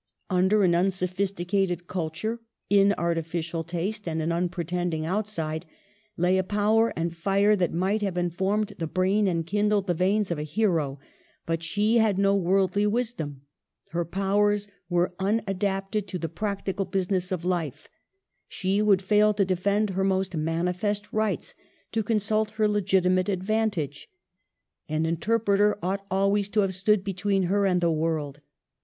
Under an unsophisticated culture, inartificial taste and an unpretending outside, lay a power and fire that might have informed the brain and kindled the veins of a hero; but she had no worldly wisdom — her powers were unadapted to the practical business of life — she would fail to de fend her most manifest rights, to consult her legitimate advantage. An interpreter ought al ways to have stood between her and the world.